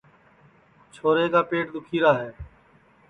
آکاشا کا پیٹ دُؔکھیرا ہے